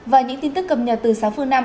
và những tin tức cập nhật từ sáu phương nam